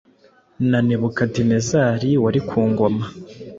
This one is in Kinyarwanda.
na Nebukadinezari wari ku ngoma.